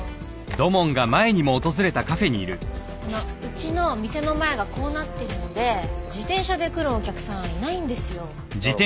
あのうちの店の前がこうなってるので自転車で来るお客さんいないんですよ。